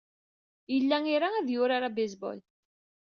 Yella ira ad yurar abaseball.